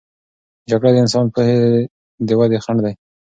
جګړه د انساني پوهې د ودې خنډ دی.